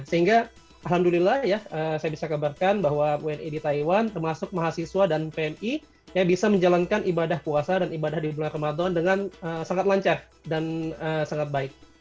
sehingga alhamdulillah ya saya bisa kabarkan bahwa wni di taiwan termasuk mahasiswa dan pmi yang bisa menjalankan ibadah puasa dan ibadah di bulan ramadan dengan sangat lancar dan sangat baik